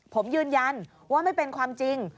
ผมยืนยันว่าไม่เป็นความจริง